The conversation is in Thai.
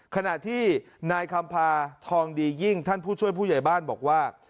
ขณะที่นายคำพาทองดียิ่งท่านผู้ช่วยผู้ใหญ่บ้านบอกว่า